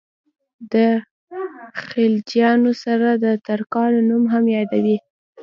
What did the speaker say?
د خلجیانو سره د ترکانو نوم هم یادوي.